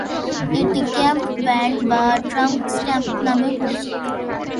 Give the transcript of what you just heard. এটি cam band বা tank strap নামেও পরিচিত।